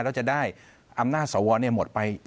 แล้วจะได้อำนาจสวหมดไป